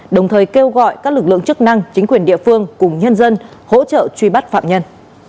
đồng thời kêu gọi các lực lượng chức năng chính quyền địa phương cùng nhân dân hỗ trợ truy bắt phạm nhân